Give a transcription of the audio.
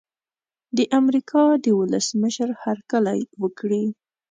د امریکا د ولسمشر هرکلی وکړي.